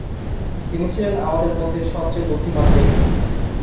তিনি ছিলেন আমাদের মধ্যে সবচেয়ে বুদ্ধিমান ব্যক্তি।